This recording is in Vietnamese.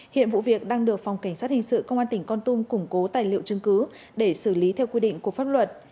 hiện vụ việc đang được phòng cảnh sát hình sự công an tỉnh con tum củng cố tài liệu chứng cứ để xử lý theo quy định của pháp luật